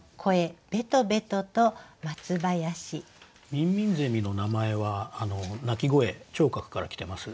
ミンミンゼミの名前は鳴き声聴覚から来てます。